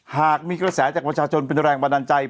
หากมีกระแสจากประชาชนเป็นแรงบันดาลใจ